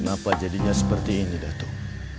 kenapa jadinya seperti ini datang